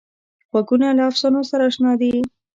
غوږونه له افسانو سره اشنا دي